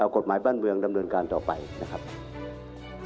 กฎหมายบ้านเมืองดำเนินการต่อไปนะครับ